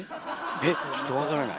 えっちょっとわからない。